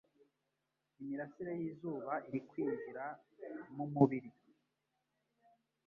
Imirasire y'izuba iri kwinjira mu mumubiri